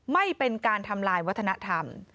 ไม่เป็นการทำลายวัฒนธรรม